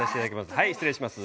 はい失礼します。